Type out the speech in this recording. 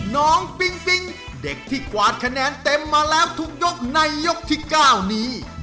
ปิ๊งปิ๊งเด็กที่กวาดคะแนนเต็มมาแล้วทุกยกในยกที่๙นี้